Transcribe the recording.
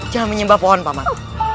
jangan menyembah pohon paman